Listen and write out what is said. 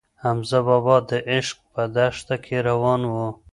حمزه بابا د عشق په دښته کې روان و.